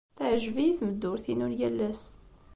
Teɛjeb-iyi tmeddurt-inu n yal ass.